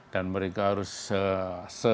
dan mereka harus